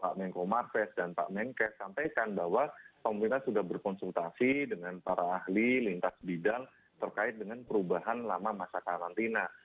pak menko marves dan pak menkes sampaikan bahwa pemerintah sudah berkonsultasi dengan para ahli lintas bidang terkait dengan perubahan lama masa karantina